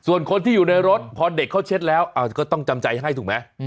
ส่วนคนที่อยู่ในรถพอเด็กเขาเช็ดแล้วก็ต้องจำใจให้ถูกไหม